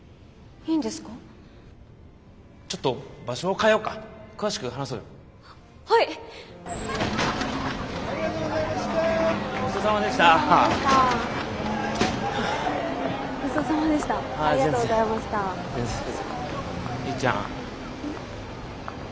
ゆいちゃん